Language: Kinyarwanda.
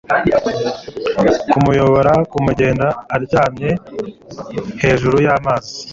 kumuyobora, kumugenda aryamye hejuru y'amazi